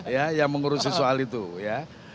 ya yang mengurusi soal itu ya